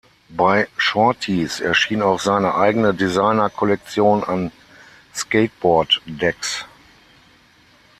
Bei Shorty’s erschien auch seine eigene Designer-Kollektion an Skateboard-Decks.